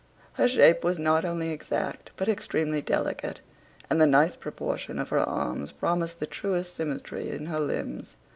Her shape was not only exact, but extremely delicate: and the nice proportion of her arms promised the truest symmetry in her limbs.